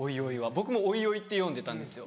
僕もオイオイって読んでたんですよ。